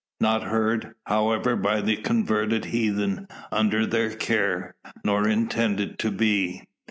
Not heard, however, by the converted heathen under their care; nor intended to be.